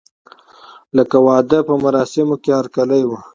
لکه د واده په مراسمو کې هرکلی وي.